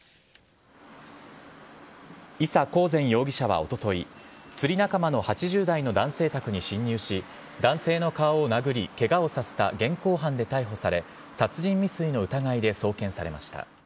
伊佐交善容疑者はおととい釣り仲間の８０代の男性宅に侵入し男性の顔を殴りケガをさせた現行犯で逮捕され殺人未遂の疑いで送検されました。